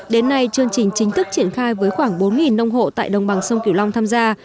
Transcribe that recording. đến nay chương trình chính thức triển khai với khoảng bốn nông hộ tại đồng bằng sông kiều long tham gia